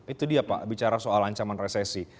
itu dia pak bicara soal ancaman resesi